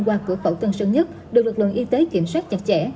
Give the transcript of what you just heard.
qua cửa khẩu tân sơn nhất được lực lượng y tế kiểm soát chặt chẽ